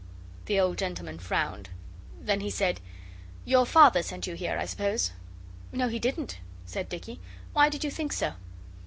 The old gentleman frowned. Then he said, 'Your Father sent you here, I suppose?' 'No he didn't,' said Dicky. 'Why did you think so?